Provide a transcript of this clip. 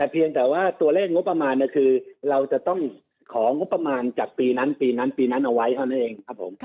เพียงแต่ว่าตัวเลขงบประมาณเราจะต้องของงบประมาณจากปีนั้นเอาไว้เท่านั้นเอง